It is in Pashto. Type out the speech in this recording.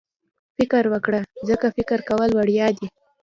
فکر وکړه ځکه فکر کول وړیا دي.